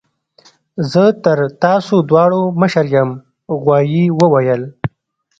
زه تر تاسو دواړو مشر یم غوايي وویل.